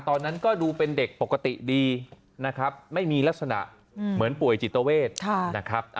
ตอนนั้นก็ดูเป็นเด็กปกติดีนะครับไม่มีลักษณะเหมือนป่วยจิตเวทนะครับ